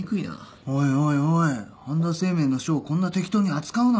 おいおいおい半田清明の書をこんな適当に扱うな。